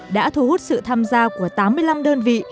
đã thu hút sự tham gia của tám mươi năm đơn vị